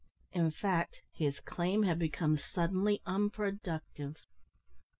In fact his claim had become suddenly unproductive.